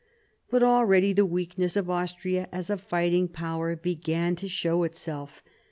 But already the weakness of Austria as a fighting Power began to show itself.